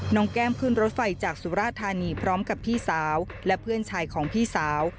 แก้มขึ้นรถไฟจากสุราธานีพร้อมกับพี่สาวและเพื่อนชายของพี่สาว